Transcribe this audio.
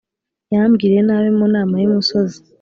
yambwiriye inabi mu nama y’umusozi